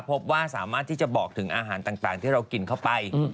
พบว่าสามารถที่จะบอกถึงอาหารต่างที่เรากินเข้าไป